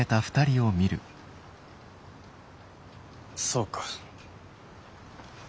そうか。